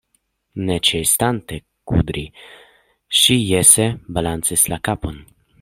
Ne ĉesante kudri, ŝi jese balancis la kapon.